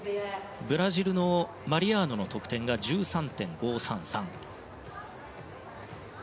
ブラジルのマリアーノの得点が１３．５３３。